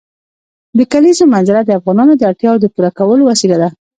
د کلیزو منظره د افغانانو د اړتیاوو د پوره کولو وسیله ده.